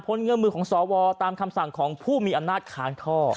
เงื่อมือของสวตามคำสั่งของผู้มีอำนาจค้างท่อ